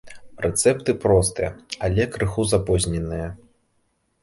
Рэцэпты простыя, але крыху запозненыя.